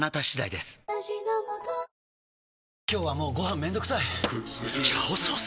今日はもうご飯めんどくさい「炒ソース」！？